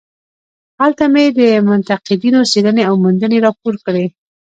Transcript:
هلته مې د منتقدینو څېړنې او موندنې راپور کړې.